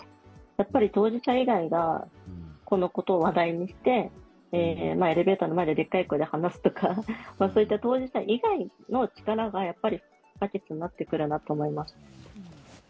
やっぱり、当事者以外が、このことを話題にして、エレベーターの前ででっかい声で話すとか、そういった当事者以外の力がやっぱり不可欠になってくるなと思います。